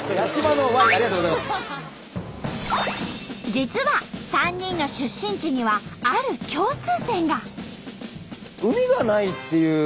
実は３人の出身地にはある共通点が。